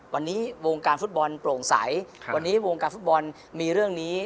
วันนี้วงการฟุตบอลโปร่งใสวันนี้วงการฟุตบอลมีเรื่องนี้